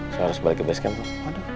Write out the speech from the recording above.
saya harus balik ke base camp pak